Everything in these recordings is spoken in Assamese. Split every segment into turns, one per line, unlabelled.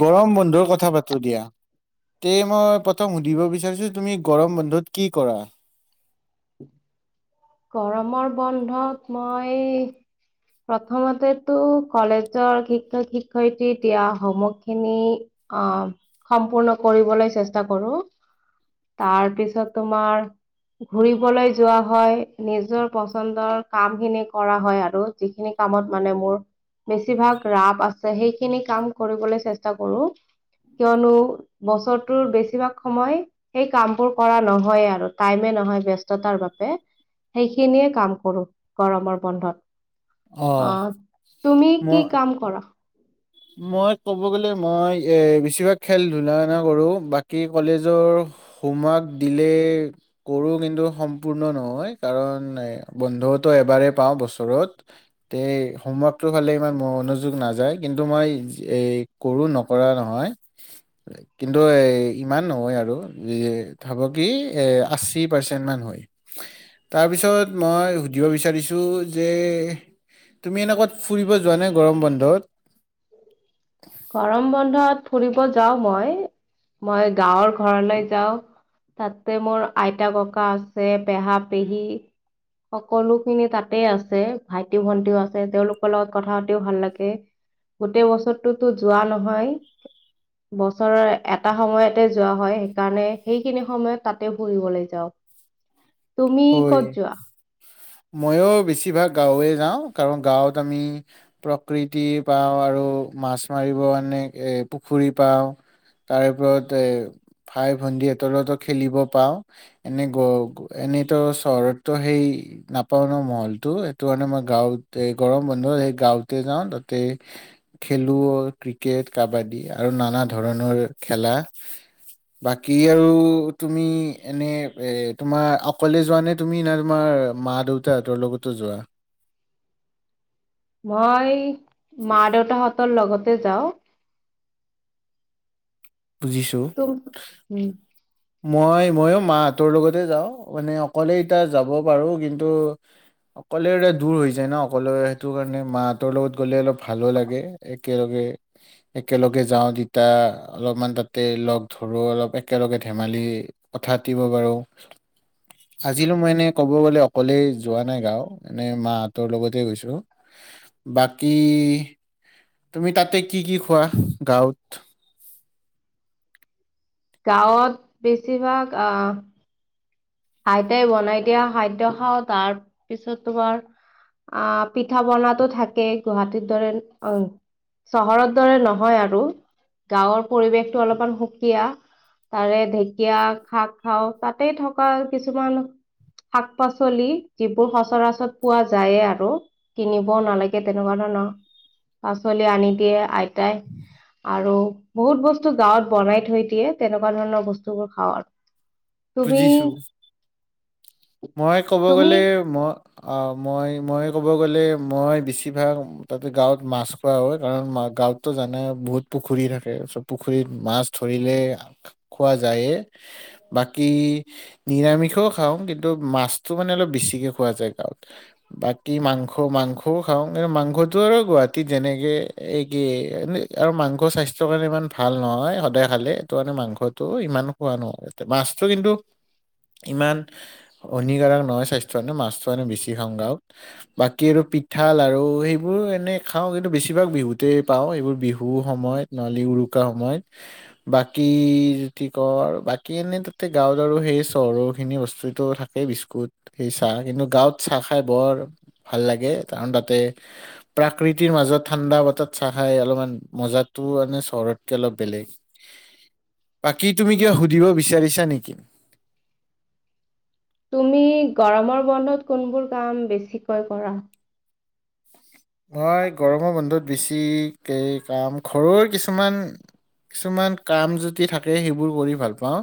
গৰম বন্ধুৰ কথা পাতো দিয়া তে মই প্ৰথম সুধিব বিচাৰিছো তুমি গৰম বন্ধুত কি কৰা
গৰমৰ বন্ধত মই প্ৰথমতেতো কলেজৰ শিক্ষক শিক্ষয়িত্ৰী দিয়া হোমৱক খিনি আহ সম্পূৰ্ণ কৰিবলৈ চেষ্টা কৰো তাৰ পিছত তোমাৰ ঘুৰিবলৈ যোৱা হয় নিজৰ পচন্দৰ কাম খিনি কৰা হয় আৰু যিখিনি কামত মানে মোৰ বেছিভাগ ৰাপ আছে সেইখিনি কাম কৰিবলৈ চেষ্টা কৰো কিয়নো বছৰটোৰ বেছিভাগ সময় সেই কামবোৰ কৰা নহয়েই আৰু টাইমে নহয় ব্য্স্ততাৰ বাবে সেইখিনিয়ে কাম কৰো গৰমৰ বন্ধত অ তুমি
মই
কি কাম কৰা
মই ক'ব গলে মই এ বেছিভাগ খেল ধুলা কৰো বাকী কলেজৰ হোমৱৰ্ক দিলে কৰো কিন্তু সম্পূৰ্ণ নহয় কাৰণ বন্ধতো এবাৰেেই পাওঁ বছৰত তে হোমৱৰ্কটো ফালে ইমান মনোযোগ নাযায় কিন্তু মই এই কৰোঁ নকৰা নহয় কিন্তু ইমান নহয় আৰু ভাব কি আশী পাৰ্চেণ্টমান হয় তাৰপিছত মই সুধিব বিচাৰিছোঁ যে তুমি এনেক ক'ত ফুৰিব যোৱা নাই গৰম বন্ধত
গৰম বন্ধত ফুৰিব যাও মই মই গাঁৱৰ ঘৰলৈ যাওঁ তাতে মোৰ আইতা ককা আছে পেহা পেহী সকলোখিনি তাতে আছে ভাইটি ভন্টিও আছে তেওঁলোকৰ লগত কথা পাতিও ভাল লাগে গোটেই বছৰত কিন্তু যোৱা নহয় বছৰৰ এটা সময়তে যোৱা হয় সেইকাৰণে সেইখিনি সময়ত তাতে ফুৰিবলৈ যাও
হয় ময়ো বেছিভাগ গাঁৱলে যাও কাৰণ গাঁৱত আমি প্ৰকৃতি পাওঁ আৰু মাছ মাৰিব এনে পুখুৰী পাওঁ তাৰে ওপৰত ভাই ভণ্ন্দি এতলত খেলিব পাওঁ এনে এনেইতো চহৰততো সেই নাপাওঁ ন মহলটো সেইটো কাৰণে মই গাঁৱত গৰম বন্ধু সেই গাঁওঁতে যাওঁ তাতে খেলো ক্ৰিকেট কাবাডী আৰু নানা ধৰণৰ খেলা বাকী আৰু তুমি এনে এ তোমাৰ অকলে যোৱা নে তুমি না তোমাৰ মা দেউতাহঁতৰ লগতো যোৱা
মই মা দেউতাহঁতৰ লগতে যাওঁ
বুজিছো
তুম উম
মই ময়ো মাহঁতৰ লগতে যাওঁ মানে অকলে এতিয়া যাব পাৰো কিন্তু অকলে এতিয়া দূৰ হৈ যায় ন অকলে সেইটো কাৰণে মাহঁতৰ লগত গ'লে অলপ ভালো লাগে একেলগে একেলগে যাওঁ তিতা অলপমান তাতে লগ ধৰো অলপ একেলগে ধেমালি কথা পাতিব পাৰো আজিলো মই এনে ক'ব গলে অকলেই যোৱা নাই গাঁও এনেই মাহঁতৰ লগতে গৈছোঁ বাকী তুমি তাতে কি কি খোৱা গাঁৱত
গাঁৱত বেছিভাগ আহ আইতাই বনাই দিয়া খাদ্য খাওঁ তাৰ পিছত তোমাৰ আহ পিঠা পনাতো থাকে গুৱাহাটীৰ দৰে অ চহৰ দৰে নহয় আৰু গাঁৱৰ পৰিৱেশতো অলপমান সুকীয়া তাৰে ঢেকীয়া শাক খাও তাতে থ এনেকুবা কিছুমান শাক পাচলি যিবোৰ সচৰাচত পোৱা যায় আৰু কিনিবও নালাগে তেনেকুৱা ধৰণৰ পাচলি আনি দিয়ে আইতাই আৰু বহুত বস্তু গাঁৱত বনাই থৈ দিয়ে তেনেকুৱা ধৰণৰ বস্তুবোৰ খাওঁ আৰু তুমি
বুজিছো মই ক'ব
তুমি
গ'লে মই অ মই মই ক'ব গ'লে মই বেছিভাগ তাতে গাঁৱত মাছ খোৱা হয় কাৰণা গাঁৱততো জানে বহুত পুখুৰী থাকে চব পুখুৰীত মাছ ধৰিলে খোৱা যায়েই বাক কি নিৰামিষও খাওঁ কিন্তু মাছটো মানে অলপ বেছিকে খোৱা যায় গাঁৱত বাকী মাংস মাংসও খাওঁ কিন্তু মাংসটো আৰু গুৱাহাটীত যেনেকে এই কি আৰু মাংস স্বাস্থ্য কাৰণে ইমান ভাল নহয় সদায় খালে সেইটো কাৰণে মাংসটো ইমানো খোৱা নহয় মাছ কিন্তু ইমান হনিকাৰক নহয় স্বাস্থ্য কাৰণে মাছটো আ বেছি খাওঁ গাওঁত বাকী আৰু পিঠাল আৰু সেইবোৰ এনে খাওঁ কিন্তু বেছিভাগ বিহুতে পাওঁ এইবোৰ বিহুৰ সময়ত নলী উৰুকাৰ সময়ত বাকী যদি কৰ বাকী এনেই গাঁৱত আৰু সেই চহৰ খিনি বস্তু টো থাকে বিস্কুট সেই চাহ কিন্তু গাঁৱত চাহ খাই বৰ ভাল লাগে কাৰণ তাতে প্ৰাকৃতিৰ মাজত ঠাণ্ডা বতাহ চাহ খাই অলপমান মজাটো মানে চহৰতকে অলপ বেলেগ বাকী তুমি কিবা সুধিব বিচাৰিছ নেকি ম
তুমি গৰমৰ বন্ধত কোনবোৰ কাম বেছিকৈ কৰা
মই গৰমৰ বন্ধত বেছি কে কাম ঘৰৰ কিছুমান কিছুমান কাম যদি থাকে, সেইবোৰ কৰি ভাল পাওঁ।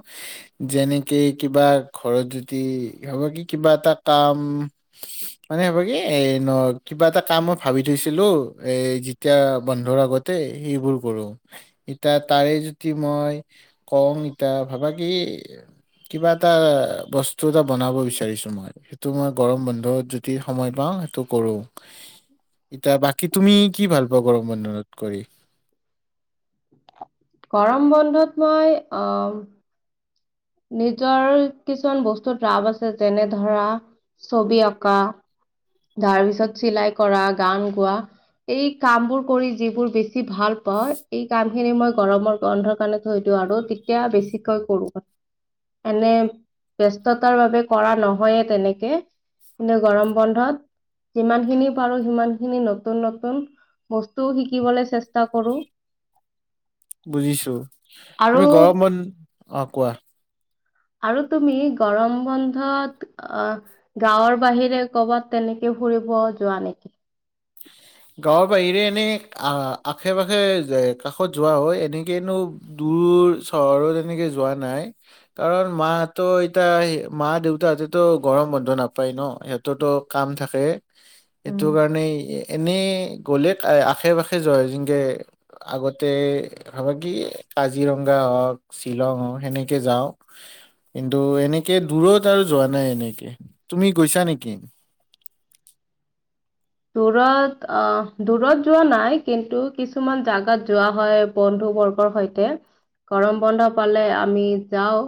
যেনেকে কিবা ঘৰত যদি হবা কি কিবা এটা কাম মানে হ'ব কি এ ন কিবা এটা কামত ভাবি থৈছিলো এ যেতিয়া বন্ধৰ আগতে সেইবোৰ কৰো। ইতা তাৰে যদি মই কওঁ ইতা ভাবা কি কিবা এটা বস্তু এটা বনাব বিচাৰিছো, মই সেইটো মই গৰম বন্ধত যদি সময় পাওঁ সেইটো কৰো। এতিয়া বাকী তুমি কি ভাল পোৱা গৰম বন্ধনত কৰি
গৰম বন্ধত মই অহ নিজৰ কিছুমান বস্তুত ৰাপ আছে। যেনে ধৰা ছবি অঁকা, তাৰ পিছত চিলাই কৰা গান গোৱা এই কামবোৰ কৰি যিবোৰ বেছি ভাল পাওঁ। এই কাম খিনি মই গৰমৰ গন্ধৰ কাৰণে থৈ দিওঁ আৰু তেতিয়া বেছিকৈ কৰো। এনে ব্যস্ততাৰ বাবে কৰা নহয়ে তেনেকে কিন্তু গৰম বন্ধত যিমানখিনি পাৰো সিমানখিনি নতুন নতুন বস্তু শিকিবলৈ চেষ্টা কৰো।
বুজিছো
আৰু
তুমি গৰম বন্ধ অ কোৱা
আৰু তুমি গৰম বন্ধত আহ গাঁৱৰ বাহিৰে কৰ'বাত তেনেকে ফুৰিব যোৱা নেকি
গাঁৱৰ বাহিৰে এনেই আশে পাশে কাষত যোৱা হয় এনেকেনো দূৰ চহৰত এনেকে যোৱা নাই কাৰণ মাহঁতৰ এতয়া মা দেউতাহঁতেতো গৰম বন্ধ নাপায় ন সিহঁততো কাম থাকে এইটো কাৰণে এনেই গলে আশে পাশে যোৱা যেনেকে আগতে ভাবা কি কাজিৰঙা হওঁক শ্বিলং হওঁক সেনেকে যাও কিন্তু এনেকে দূৰত আৰু যোৱা নাই এনেকে তুমি গৈছা নেকি
দূৰত আহ দূৰত যোৱা নাই কিন্তু কিছুমান জাগাত যোৱা হয় বন্ধু বৰ্গৰ সৈতে গৰম বন্ধ পালে আমি যাও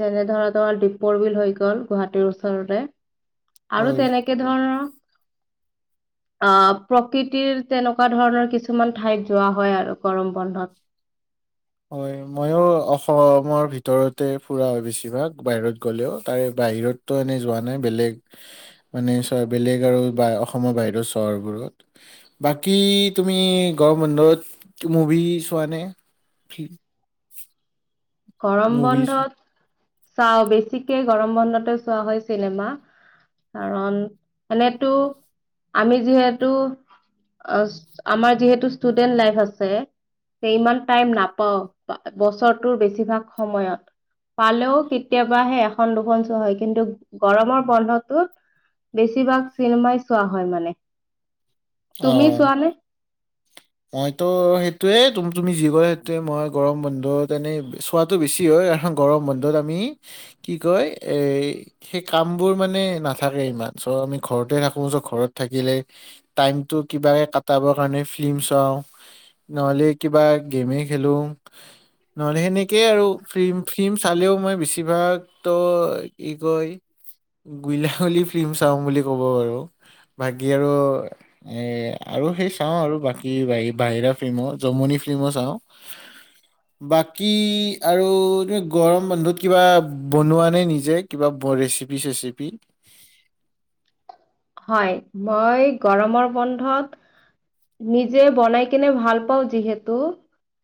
যেনে ধৰা তোমাৰ দীপৰ বিল হৈ গল গুৱাহাটীৰ ওচৰতে আৰু
হয়
তেনেকে ধৰণৰ আহ প্ৰকৃতিৰ তেনেকুৱা ধৰণৰ কিছুমান ঠাইত যোৱা হয় আৰু গৰম বন্ধত
হয় ময়ো অসম অসমৰ ভিতৰতে ফুৰা হয় বেছিভাগ বাহিৰত গ'লেও তাৰে বাহিৰতটো এনে যোৱা নাই বেলেগ মানে চ বেলেগ আৰু অসমৰ বাহিৰৰ চহৰবোৰত বাকী তুমি গ়ৰম বন্ধত মভি চোৱা নে ঠিক
গৰম বন্ধত চাওঁ বেছিকে গৰম বন্ধতে চোৱা হয় চিনেমা কাৰণ এনেতো আমি যিহেতু আমাৰ যিহেতু ষ্টুডেন্ট লাইফ আছে ইমান টাইম নাপাও বছৰটোৰ বেছি বেছিভাগ সময়ত পালেও কেতিয়াবাহে এখন দুখন চোৱা হয় কিন্তু গৰমৰ বন্ধতত বেছিভাগ চিনেমাই চোৱা হয় মানে
অ
তুমি চোৱানে
মইতো সেই সেইটোৱে তুম তুমি যি কয় সেইটোোৱে মই গৰম বন্ধত এনেই চোৱাটো বেছি হয় কাৰণ গৰম বন্ধত আমি কি কয় এ সেই কামবোৰ মানে নাথাকে ইমান চ' আমি ঘৰতে থাকো চ ঘৰত থাকিলে টাইমটো কিবাকে কটাবৰ কাৰণে ফিল্ম চাওঁ নহ'লে কিবা গেমে খেলো নহ'লে সেনেকেই আৰু ফিল্ম ফিল্ম চালেও মই বেছিভাগতো কি কয় গুলঙলী ফিল্ম চাওঁ বুলি ক'ব পাৰো বাকী আৰু এ আৰু সেই চাওঁ আৰু বাকী বাহিৰা ফিল্মো জমনি ফিল্মো চাওঁ বাকী আৰু গৰম বন্ধত কিবা বনোৱা নে নিজে কিবা ৰেচিপি চেচিপি
হয় মই গৰমৰ বন্ধত নিজে বনাই কিনে ভাল পাওঁ যিহেতু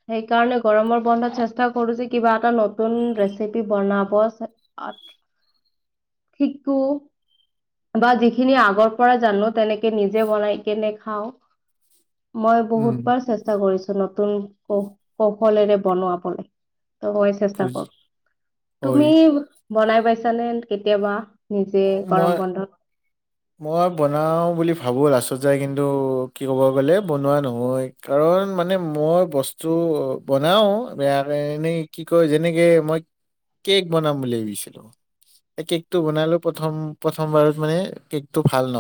সেইকাৰণে গৰমৰ বন্ধত চেষ্টা কৰো যে কিবা এটা নতুন ৰেচিপি বনাব শিকো বা যি খিনি আগৰ পৰা জানো তেনেকে নিজে বনাই কেনে খাওঁ। মই
উম
বহুত বাৰ চেষ্টা কৰিছো নতুন কৌ কৌশলেৰে বনোৱাবলে মই চেষ্টা
বুজ
কৰো
হয়
তুমি বনাই পাইছ ছানে কেতিয়াবা নিজে
মই
গৰম বন্ধত
মই বনাওঁ বুলি ভাবোঁ লাষ্টত যায় কিন্তু কি ক'ব গ'লে বনোৱা নহয় কাৰণ মানে মই বস্তু বনাওঁ বেয়াকে এনেই কি কয় যেনেকে মই কেক বনাম বুলি ভাবিছিলোঁ এই কেকটো বনালো প্ৰথম প্ৰথমবাৰত মানে কেক টো ভাল ন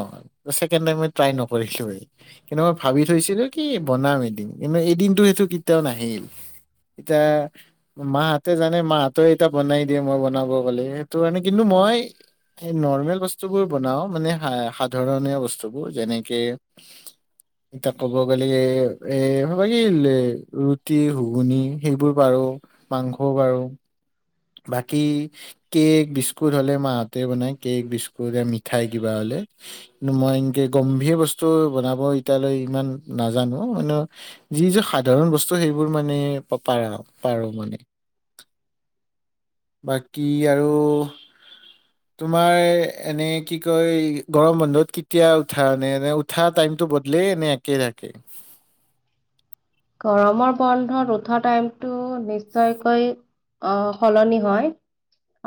ছেকেণ্ড টাইমত ট্ৰাই নকৰিলোৱে কিন্তু মই ভাবি থৈছিলো কি বনাম এদিন কিন্তু এদিনটো সেইটো কেতিয়াও নাহিল এতিয়া মাহতে জানে মাহতে এটা বনাই দিয়ে মই বনাব গ'লে সেইটো কাৰণে কিন্তু মই নৰ্মেল বস্তু বোৰ বনাও মানে সাধাৰণৰনিয়া বস্তুবোৰ যেনেকে এতিয়া ক'ব গলে এ এ বাকি লে ৰুটি, ঘোগুনি সেইবোৰ পাৰো মাংসও পাৰো বাকী কেক বিস্কুট হ'লে মাহঁতে বনায়। কেক বিস্কুট মিঠাই কিবা হ'লে কিন্তু মই এনেকে গম্ভীৰ বস্তু বনাব এতিয়ালৈ ইমান নাজানো মইনো যি যে সাধাৰণ বস্তু সেইবোৰ মানে পাপাৰা পাৰোঁ মানে বাকী আৰু তোমাৰ এনে কি কয় গৰম বন্ধত কেতিয়া উঠা এনে এনে উঠা টাইমটো বদলেই এনে একে থাকে
গৰমৰ বন্ধত উঠা টাইমটো নিশ্চয়কৈ অ সলনি হয়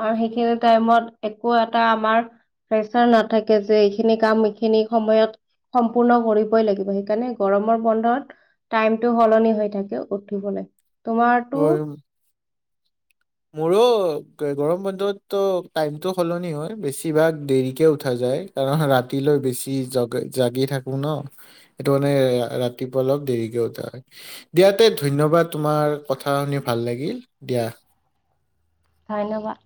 আৰু সেইখিনি টাইমত একো এটা আমাৰ প্ৰেচাৰ নাথাকে যে এইখিনি কাম এইখিনি সময়ত সম্পূৰ্ণ কৰিবই লাগিব সেইকাৰণে গৰমৰ বন্ধত টাইম টো সলনি হৈ থাকে উঠিবলে তোমাৰটো
হয় মোৰো গৰম বন্ধতো টাইমটো সলনি হয় বেছিভাগ দেৰিকে উঠা যায় কাৰণ ৰাতিলৈ বেছি জগি জাগি থাকো ন সেইটো মানে ৰাতিপুৱা অলপ দেৰিকে উঠা হয় দিয়া তে ধন্যবাদ তোমাৰ কথা শুনি ভাল লাগিল দিয়া
ধন্যবাদ